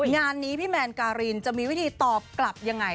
งานนี้พี่แมนการินจะมีวิธีตอบกลับยังไง